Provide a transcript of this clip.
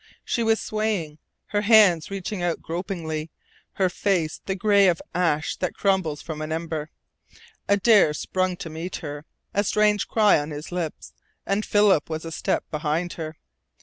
She was swaying, her hands reaching out gropingly, her face the gray of ash that crumbles from an ember. Adare sprung to meet her, a strange cry on his lips, and Philip was a step behind her.